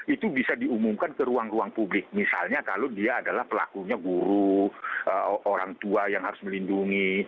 itu bisa diumumkan ke ruang ruang publik misalnya kalau dia adalah pelakunya guru orang tua yang harus melindungi